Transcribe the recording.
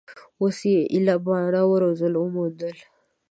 اوس یې ایله باڼه او وزرونه وموندل